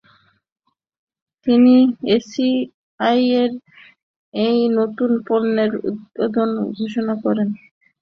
তিনি এসিআইয়ের এই নতুন পণ্যের উদ্বোধন ঘোষণা করেন।